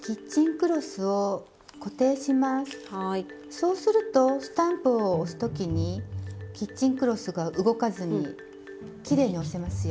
そうするとスタンプを押す時にキッチンクロスが動かずにきれいに押せますよ。